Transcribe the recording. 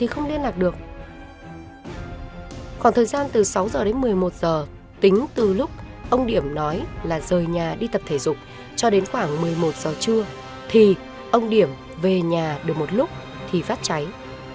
khoảng thời gian từ sáu giờ đến một mươi một giờ tính từ lúc ông điểm nói là rời nhà đi tập thể dục cho đến khoảng một mươi một giờ trưa thì ông điểm về nhà được một lúc thì phát cháy